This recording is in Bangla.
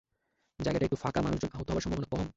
জায়গাটা একটু ফাঁকা, মানুষজন আহত হবার সম্ভাবনা কম।